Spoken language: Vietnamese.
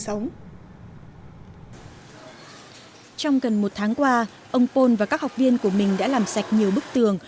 trong gần một tháng qua ông pot và các học viên của mình đã làm sạch nhiều bức tường